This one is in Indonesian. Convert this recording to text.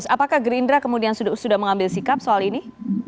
apakah gerindra kemudian sudah mengambil sikap soal ini